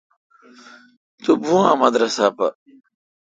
تو بھوں اں مدرسہ پر۔